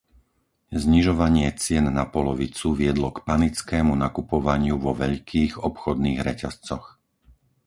Znižovanie cien na polovicu viedlo k panickému nakupovaniu vo veľkých obchodných reťazcoch.